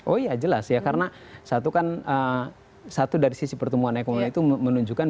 oh iya jelas ya karena satu kan satu dari sisi pertumbuhan ekonomi itu menunjukkan